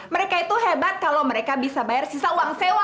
mereka itu hebat kalau mereka bisa bayar sisa uang sewa